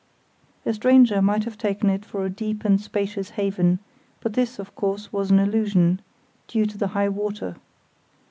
A stranger might have taken it for a deep and spacious haven; but this, of course, was an illusion, due to the high water.